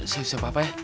siap apa ya